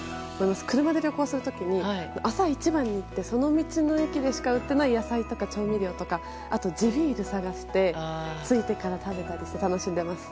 車で旅行する時に朝一番で行ってその道の駅でしか売っていない野菜とか調味料とかあと地ビールを探して着いてから食べたりして楽しんでます。